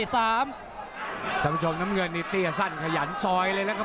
ท่านผู้ชมน้ำเงินนี่เตี้ยสั้นขยันซอยเลยนะครับ